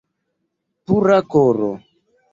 Pura koro!